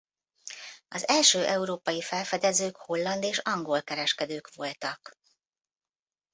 Az első európai felfedezők holland és angol kereskedők voltak.